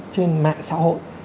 trên mạng xã hội